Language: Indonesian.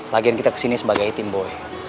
lagian kita kesini sebagai tim boy